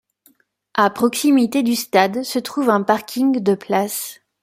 À proximité du stade, se trouve un parking de places.